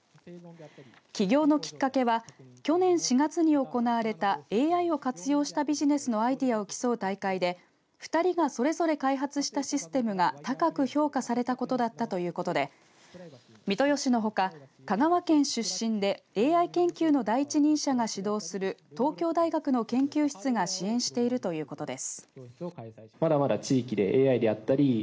起業のきっかけは去年４月に行われたＡＩを活用したビジネスのアイデアを競う大会で２人がそれぞれ開発したシステムが高く評価されたことだったということで三豊市のほか香川県出身でＡＩ研究の第一人者が主導する東京大学の研究室が支援しているということです。